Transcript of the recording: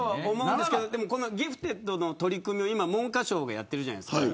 ギフテッドの取り組みを今、文科省がやっているじゃないですか。